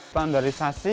sampai dari stasi